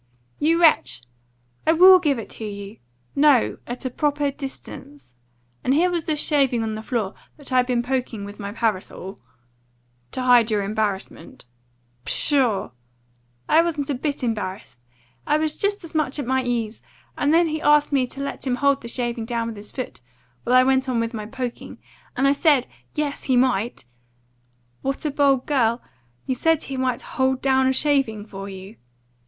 "You wretch! I will GIVE it to you! No, at a proper distance. And here was this shaving on the floor, that I'd been poking with my parasol " "To hide your embarrassment." "Pshaw! I wasn't a bit embarrassed. I was just as much at my ease! And then he asked me to let him hold the shaving down with his foot, while I went on with my poking. And I said yes he might " "What a bold girl! You said he might hold a shaving down for you?"